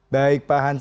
baik pak hans